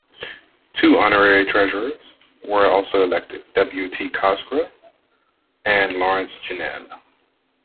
Two Honorary Treasurers were also elected, W. T. Cosgrave and Laurence Ginnell.